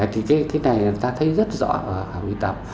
thì cái này là ta thấy rất rõ ở hà huy tập